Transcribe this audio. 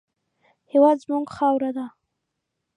هېواد زموږ خاوره ده